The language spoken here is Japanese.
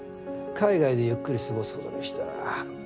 海外でゆっくり過ごすことにした。